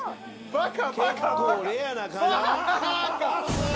バカ！